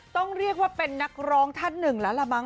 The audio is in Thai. ต้องเรียกว่าเป็นนักร้องท่านหนึ่งแล้วล่ะมั้